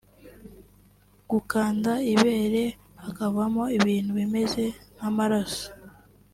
Gukanda ibere hakavamo ibintu bimeze nk’amaraso